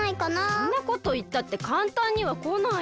そんなこといったってかんたんにはこないよ。